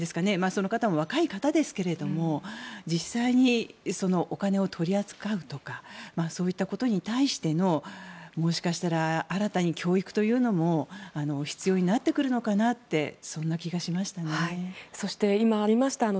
その方も若い方ですけど実際にお金を取り扱うとかそういったことに対してのもしかしたら新たに教育というのも必要になってくるのかなってそんな気がしましたね。